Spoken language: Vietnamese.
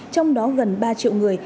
trong đó gần ba triệu người